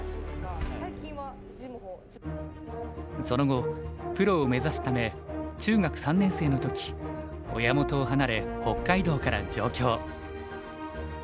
その後プロを目指すため中学３年生の時親元を離れ北海道から上京。